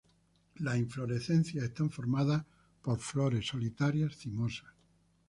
Las inflorescencias están formadas por flores solitarias, cimosas.